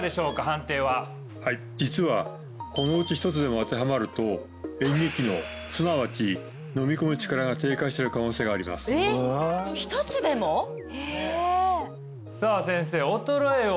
判定ははい実はこのうち一つでも当てはまると嚥下機能すなわち飲み込む力が低下している可能性がありますえっ？